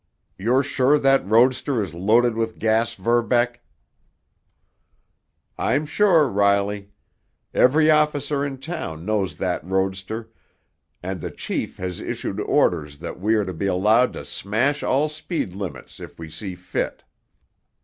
You're sure that roadster is loaded with gas, Verbeck?" "I'm sure, Riley. Every officer in town knows that roadster, and the chief has issued orders that we are to be allowed to smash all speed limits if we see fit."